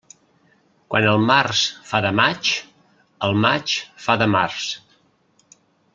Quan el març fa de maig, el maig fa de març.